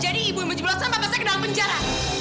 jadi ibu yang menjelaskan bapak saya ke dalam penjara